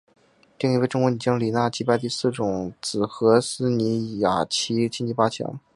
另一位中国女将李娜击败第四种籽禾丝妮雅琪晋级八强。